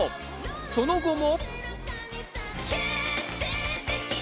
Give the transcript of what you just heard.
その後も。